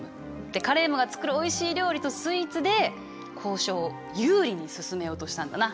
カレームが作るおいしい料理とスイーツで交渉を有利に進めようとしたんだな。